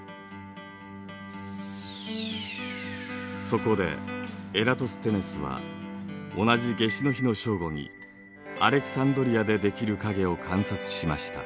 そこでエラトステネスは同じ夏至の日の正午にアレクサンドリアで出来る影を観察しました。